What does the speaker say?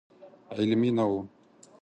علمي نه و.